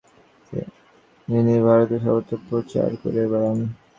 ইনি ভারতের সর্বত্র প্রচার করিয়া বেড়ান।